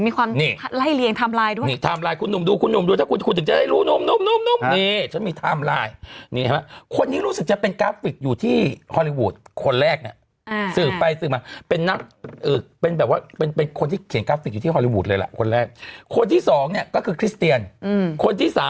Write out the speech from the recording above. ไล่เลียงไทม์ไลน์ด้วยนี่ไทม์ไลน์คุณหนุ่มดูคุณหนุ่มดูถ้าคุณคุณถึงจะได้รู้หนุ่มนี่ฉันมีไทม์ไลน์นี่ฮะคนนี้รู้สึกจะเป็นกราฟิกอยู่ที่ฮอลลีวูดคนแรกเนี่ยสืบไปสืบมาเป็นนักเป็นแบบว่าเป็นเป็นคนที่เขียนกราฟิกอยู่ที่ฮอลลีวูดเลยล่ะคนแรกคนที่สองเนี่ยก็คือคริสเตียนคนที่สาม